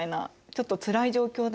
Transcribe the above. ちょっとつらい状況だよね。